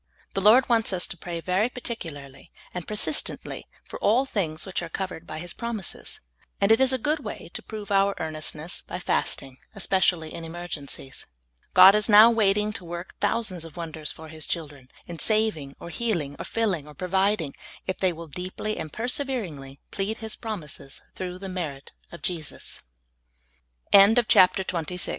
The Lord wants us to pray very particularly and persistently for all things which are covered by His promises, and it is a good way to prove our earnestness by fasting, especially in emergencies. God is now waiting to work thousands of wonders for His children, in saving, or healing, or filling, or providing, if they will deeply and perseveringly pl